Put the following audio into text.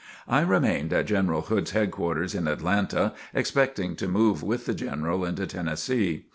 I remained at General Hood's headquarters in Atlanta, expecting to move with the General into Tennessee.